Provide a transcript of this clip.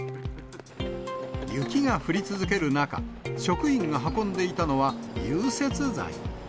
雪が降り続ける中、職員が運んでいたのは融雪剤。